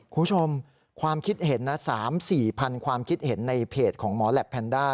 คุณผู้ชมความคิดเห็นนะ๓๔พันความคิดเห็นในเพจของหมอแหลปแพนด้า